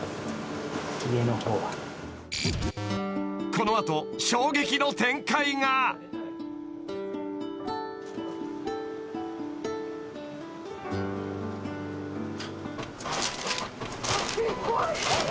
［この後衝撃の展開が］えっ？